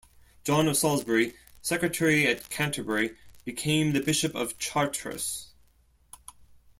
John of Salisbury, secretary at Canterbury, became the bishop of Chartres.